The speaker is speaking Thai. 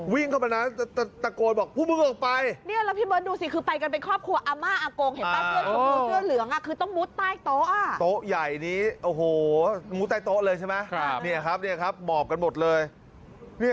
วิ่งเข้าไปไหนตะโกนบอกผู้มึงออกไปนี่แล้วพี่เบิร์ดดูสิ